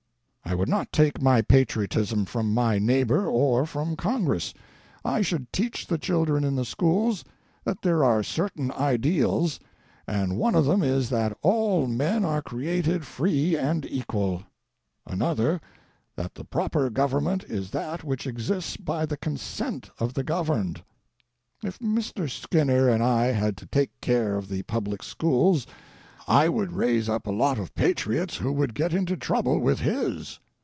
"I would not take my patriotism from my neighbor or from Congress. I should teach the children in the schools that there are certain ideals, and one of them is that all men are created free and equal. Another that the proper government is that which exists by the consent of the governed. If Mr. Skinner and I had to take care of the public schools I would raise up a lot of patriots who would get into trouble with his.